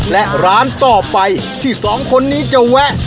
และร้านต่อไปที่สองคนนี้จะแวะ